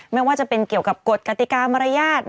แม้ว่าจะเป็นเกี่ยวกับกฎกติการรัฐมนตรภัย